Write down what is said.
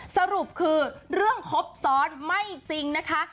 สรุปคือเรื่องครบซ้อนไม่จริงนะคะ